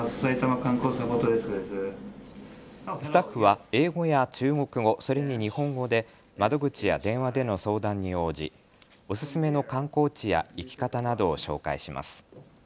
スタッフは英語や中国語、それに日本語で窓口や電話での相談に応じ、おすすめの観光地や行き方などを紹介します。